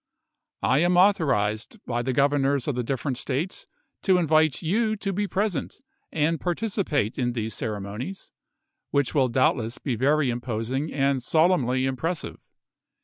I am authorized by the Governors of the different States to invite you to be present and participate in these ceremonies, which will doubtless be very imposing and solemnly impressive.